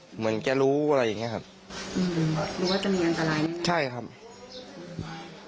เหมือนแกรู้อะไรอย่างเงี้ครับอืมรู้ว่าจะมีอันตรายใช่ครับ